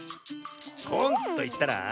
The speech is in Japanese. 「こん」といったら？